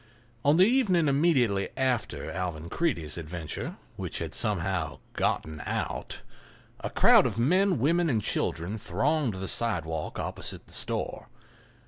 On the evening immediately after Alvan Creede's adventure (which had somehow "got out") a crowd of men, women and children thronged the sidewalk opposite the store.